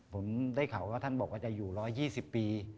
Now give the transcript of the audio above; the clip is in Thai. ผมได้ข่าวว่าท่านบอกว่าจะอยู่๑๒๐ปี